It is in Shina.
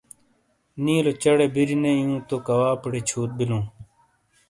نیلو چہ ڑے بِیری نے ایوں تو کواپیڑے چھوت بِلوں۔